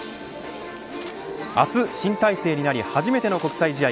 明日、新体制になり初めての国際試合